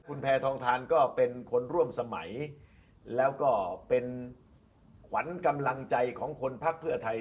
คุณแพทองทานก็เป็นคนร่วมสมัยแล้วก็เป็นขวัญกำลังใจของคนพักเพื่อไทย